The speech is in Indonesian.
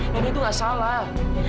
nenek itu nggak salah